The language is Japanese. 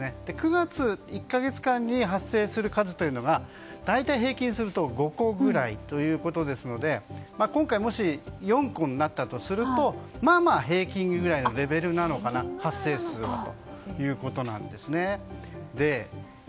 ９月１か月間に発生する数が大体、平均すると５個ぐらいということで今回もし４個になったとするとまあまあ平均くらいの発生数のレベルなのかなということです。